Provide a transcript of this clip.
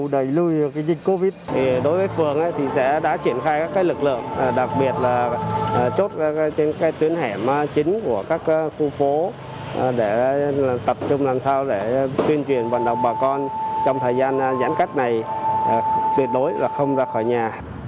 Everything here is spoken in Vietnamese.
để tập trung làm sao để truyền truyền bản đồng bà con trong thời gian giãn cách này tuyệt đối là không ra khỏi nhà